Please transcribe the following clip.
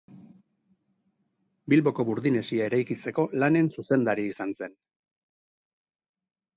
Bilboko Burdin Hesia eraikitzeko lanen zuzendari izan zen.